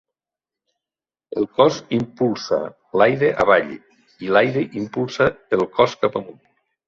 El cos "impulsa" l'aire avall, i l'aire impulsa el cos cap amunt.